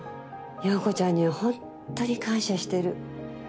洋子ちゃんにはほんとに感謝してる。